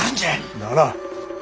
ならん。